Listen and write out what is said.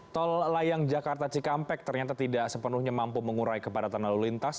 tol layang jakarta cikampek ternyata tidak sepenuhnya mampu mengurai kepadatan lalu lintas